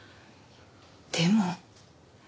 でも。